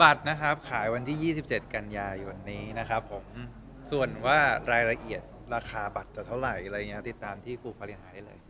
บัตรขายวันที่๒๗กันยาอยู่วันนี้นะครับส่วนว่ารายละเอียดราคาบัตรจะเท่าไหร่อะไรอย่างเงี้ยติดตามที่ฟูกฟารินไฮได้เลย